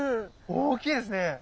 大きいですね！